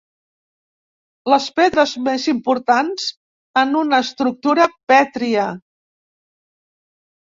Les pedres més importants en una estructura pètria.